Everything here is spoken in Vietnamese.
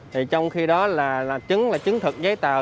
thì trong khi đó là chứng là chứng thực giấy tờ